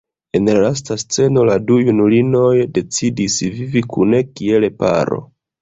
En la lasta sceno la du junulinoj decidas vivi kune kiel paro.